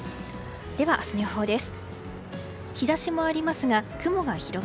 では、明日の予報です。